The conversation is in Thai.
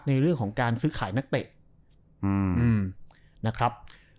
ในเรื่องของการซื้อขายนักเตะนะครับ